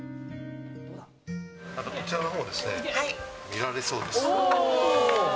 こちらのほうですね、見られそうです。